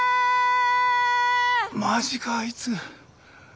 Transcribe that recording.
マジかあいつ。